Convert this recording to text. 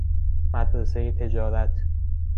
مدرسۀ تجارت